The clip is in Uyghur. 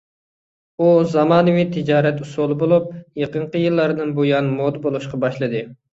ئۇ زامانىۋى تىجارەت ئۇسۇلى بولۇپ، يېقىنقى يىللاردىن بۇيان مودا بولۇشقا باشلىدى.